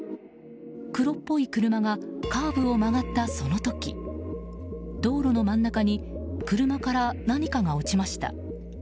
黒っぽい車がカーブを曲がったその時道路の真ん中に車から何かが落ちました。